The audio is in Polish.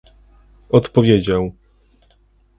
Odpowiedział